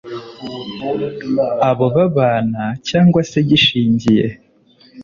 abo babana cyangwa se gishingiye